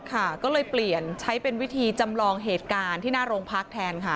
ค่ะก็เลยเปลี่ยนใช้เป็นวิธีจำลองเหตุการณ์ที่หน้าโรงพักแทนค่ะ